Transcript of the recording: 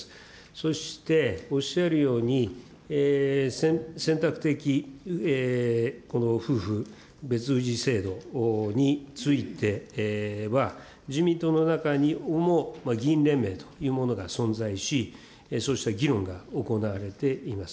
そして、おっしゃるように、選択的夫婦別氏制度については、自民党の中にも議員連盟というものが存在し、そうした議論が行われています。